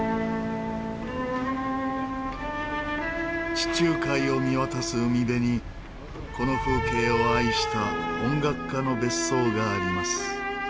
地中海を見渡す海辺にこの風景を愛した音楽家の別荘があります。